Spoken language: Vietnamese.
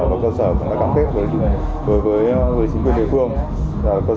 và cơ sở cũng đã cam kết với chính quyền địa phương